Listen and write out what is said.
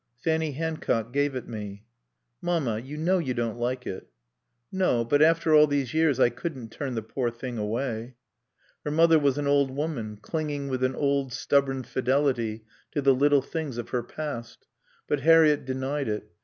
Fanny Hancock gave it me." "Mamma you know you don't like it." "No. But after all these years I couldn't turn the poor thing away." Her mother was an old woman, clinging with an old, stubborn fidelity to the little things of her past. But Harriett denied it.